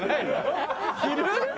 昼？